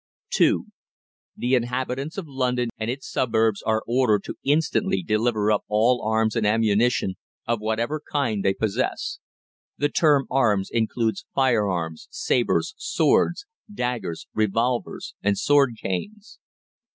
(2) THE INHABITANTS OF LONDON and its suburbs are ordered to instantly deliver up all arms and ammunition of whatever kind they possess. The term arms includes firearms, sabres, swords, daggers, revolvers, and sword canes.